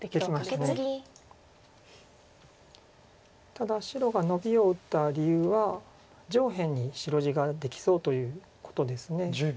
ただ白がノビを打った理由は上辺に白地ができそうということです。